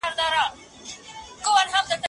کتابونه د نورو د ګټورو تجربو مجموعه ده.